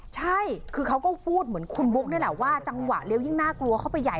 ใช่คือเขาก็พูดเหมือนคุณบุ๊กนี่แหละว่าจังหวะเลี้ยยิ่งน่ากลัวเข้าไปใหญ่